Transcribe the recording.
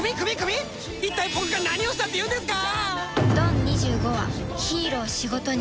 一体僕が何をしたっていうんですか！？